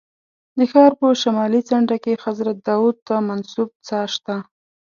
د ښار په شمالي څنډه کې حضرت داود ته منسوب څاه شته.